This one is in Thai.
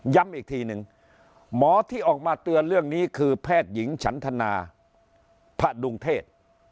อีกทีหนึ่งหมอที่ออกมาเตือนเรื่องนี้คือแพทย์หญิงฉันธนาพระดุงเทศ